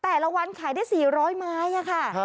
แต่ละวันขายได้๔๐๐ไม้ค่ะ